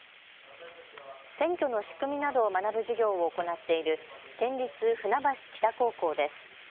選挙の仕組みなどを学ぶ授業を行っている県立船橋北高校です。